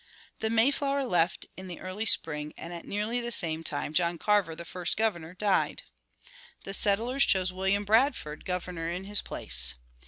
The Mayflower left in the early spring and at nearly the same time John Carver, the first Governor, died. The settlers chose William Bradford Governor in his place.